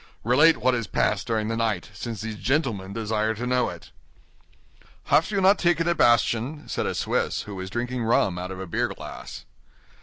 Relate what has passed during the night, since these gentlemen desire to know it." "Have you not taken a bastion?" said a Swiss, who was drinking rum out of a beer glass.